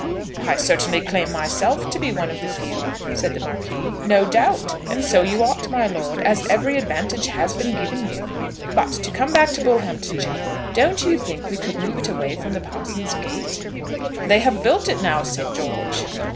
"I certainly claim to myself to be one of the few," said the Marquis. "No doubt; and so you ought, my lord, as every advantage has been given you. But, to come back to the Bullhampton chapel, don't you think we could move it away from the parson's gate?" "They have built it now, Saint George."